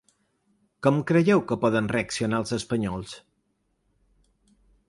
Com creieu que poden reaccionar els espanyols?